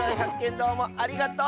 どうもありがとう！